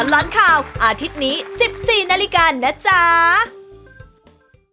ตอนร้านข่าวอาทิตย์นี้สนุกสนานกับบนเพลงพระพระจากหน่วยฝึกทหารใหม่กองบิน๔๖พิธีบวชนากที่ไม่ธรรมดา